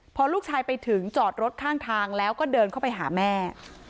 พอลูกชายไปถึงจอดรถข้างทางแล้วก็เดินเข้าไปหาแม่